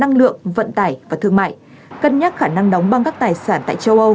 năng lượng vận tải và thương mại cân nhắc khả năng đóng băng các tài sản tại châu âu